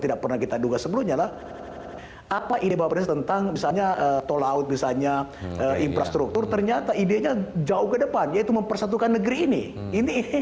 tidak pernah kita duga sebelumnya adalah apa ide bapak presiden tentang misalnya tol laut misalnya infrastruktur ternyata idenya jauh ke depan yaitu mempersatukan negeri ini ini